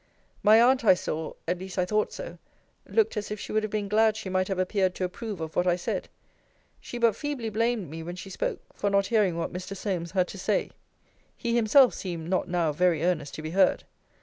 My aunt, I saw (at least I thought so) looked as if she would have been glad she might have appeared to approve of what I said. She but feebly blamed me, when she spoke, for not hearing what Mr. Solmes had to say. He himself seemed not now very earnest to be heard.